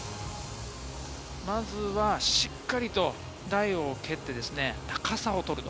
まずはしっかりと台を蹴って、高さを飛ぶ。